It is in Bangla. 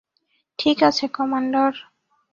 ঠিক আছে, কমান্ডার।